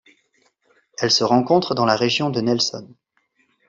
Elle se rencontre dans la région de Nelson.